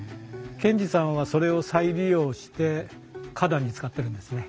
賢治さんはそれを再利用して花壇に使ってるんですね。